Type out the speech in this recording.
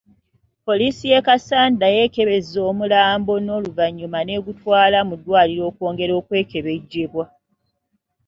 Poliisi ye Kassanda yeekebezze omulambo n’oluvannyuma n'egutwala mu ddwaliro okwongera okwekebejjebwa.